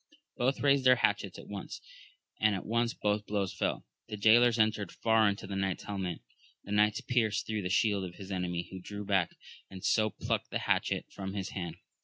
Both raised their hatchets at once, and at once both blows fell ; the jaylor's entered far into the knight's helmet; the knight's pierced through the shield of his enemy, who drew back, and so plucked the hatchet from his hand.